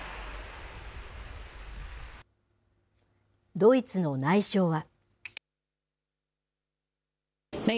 ドイツの内相は。